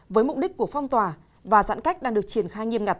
với mục đích của phong tỏa và giãn cách đang được triển khai nghiêm ngặt